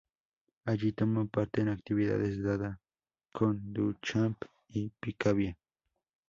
Allí tomó parte en actividades Dadá, con Duchamp y Picabia.